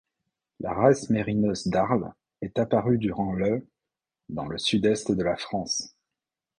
La race Mérinos d´Arles est apparue durant le dans le sud-est de la France.